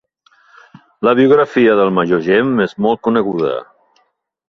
La biografia del major Gem és molt coneguda.